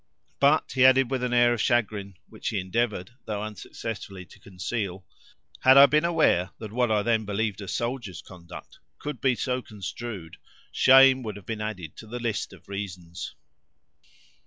But," he added, with an air of chagrin, which he endeavored, though unsuccessfully, to conceal, "had I been aware that what I then believed a soldier's conduct could be so construed, shame would have been added to the list of reasons."